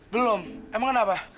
belum emang kenapa